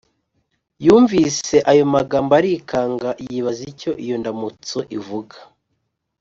yumvise ayo magambo arikanga, yibaza icyo iyo ndamutso ivuga